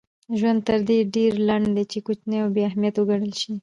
ژوند تر دې ډېر لنډ دئ، چي کوچني او بې اهمیت وګڼل سئ.